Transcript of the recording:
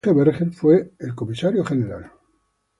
Georges Berger fue el comisario general.